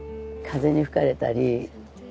風に吹かれたり。